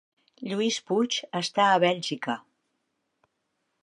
Lluís Puig està a Bèlgica